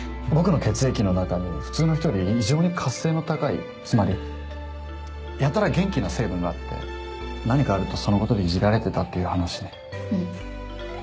僕の血液の中に普通の人より異常に活性の高いつまりやたら元気な成分があって何かあるとそのことでいじられてたっていう話ね。